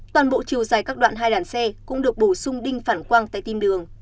toàn bộ chiều dài các đoạn hai làn xe cũng được bổ sung đinh phản quang tại kim đường